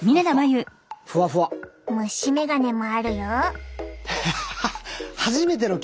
虫眼鏡もあるよ。